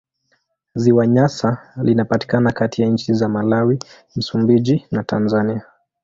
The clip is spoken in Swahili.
Ziwa Nyasa linapatikana kati ya nchi za Malawi, Msumbiji na Tanzania.